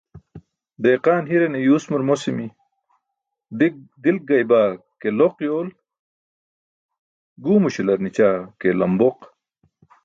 Deqaan hirane yuusmur mosimi: "dilk gaybaa ke loq yool guwmuśalar nićaa ke lambooq."